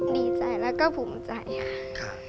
ดีใจแล้วก็ภูมิใจค่ะ